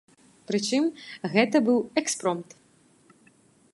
Прычым, гэта быў экспромт.